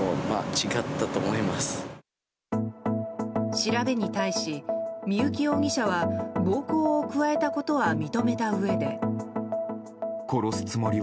調べに対し、三幸容疑者は暴行を加えたことは認めたうえで。